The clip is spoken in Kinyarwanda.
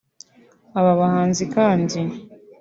Aba bahanzi kandi